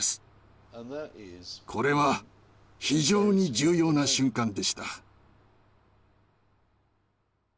これは非常に重要な瞬間でした。